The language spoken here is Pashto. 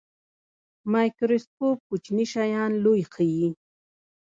مایکروسکوپ کوچني شیان لوی ښيي